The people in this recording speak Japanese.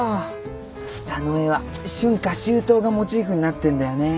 ふたの絵は春夏秋冬がモチーフになってんだよね。